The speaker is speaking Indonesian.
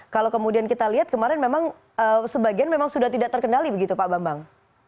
kalau kemudian kita lihat kemarin memang sebagian memang sudah tidak terkendali begitu pak bambang